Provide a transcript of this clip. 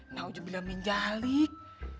nah udah bilangin jalik